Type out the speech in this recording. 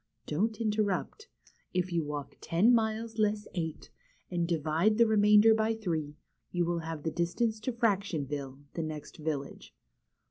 Don't interrupt. If you walk ten miles less eight, and divide the remainder by three, you will have the distance to Fractionville, the next village."